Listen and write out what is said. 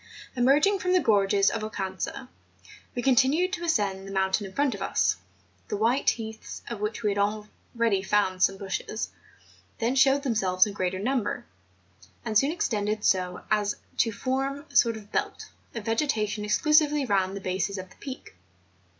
Emerging from the gorges of Oucanca, we con¬ tinued to ascend the mountain in front of us; the white heaths, of which we had already found some bushes, then showed themselves in greater number, and soon extended so as to form a sort of belt of vegetation exclusively round the bases of the peak.